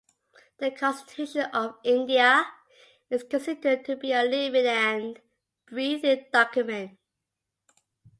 The Constitution of India is considered to be a living and breathing document.